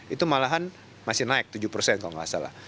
itu malahan masih naik tujuh persen kalau nggak salah